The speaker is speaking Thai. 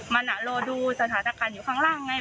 แบบจะรอดูสถาดักรณ์อยู่ข้างล่างไง